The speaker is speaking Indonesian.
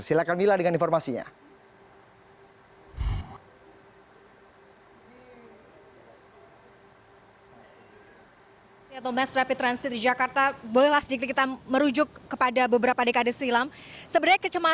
silahkan mila dengan informasinya